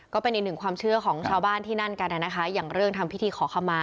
ก็เป็นอีกหนึ่งความเชื่อของชาวบ้านที่นั่นกันนะคะอย่างเรื่องทำพิธีขอขมา